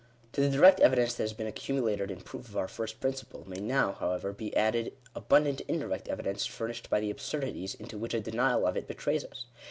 To the direct evidence that has been accumulated in proof of our first principle, may now, however, be added abundant indirect evidence furnished by the absurdities into which a denial of it betrays us.